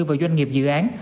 và doanh nghiệp dự án